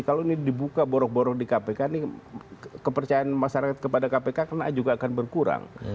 kalau ini dibuka borok borok di kpk ini kepercayaan masyarakat kepada kpk juga akan berkurang